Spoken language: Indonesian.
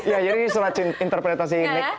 ya jadi ini surat interpretasi nick